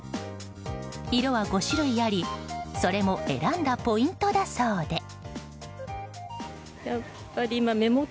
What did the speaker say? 色は５種類ありそれも選んだポイントだそうで。